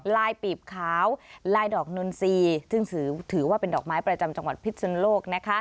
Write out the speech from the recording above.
ลายปีบขาวลายดอกนนทรีย์ซึ่งถือว่าเป็นดอกไม้ประจำจังหวัดพิษสุนโลก